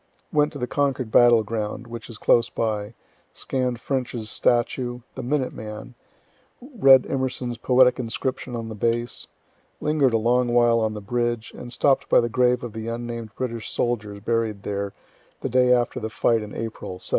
Went to the Concord battle ground, which is close by, scann'd French's statue, "the Minute Man," read Emerson's poetic inscription on the base, linger'd a long while on the bridge, and stopp'd by the grave of the unnamed British soldiers buried there the day after the fight in April, '75.